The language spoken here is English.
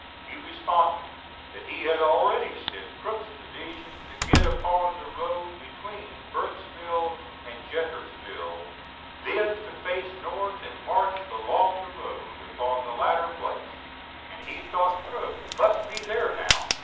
He responded that he had already sent Crook's division to get upon the road between Burkesville and Jetersville, then to face north and march along the road upon the latter place; and he thought Crook must be there now.